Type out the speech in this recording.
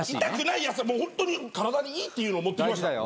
もうホントに体にいいっていうのを持ってきました。